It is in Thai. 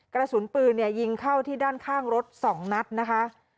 กระสุนปืนยิงเข้าที่ด้านข้างรถ๒นัดนะคะ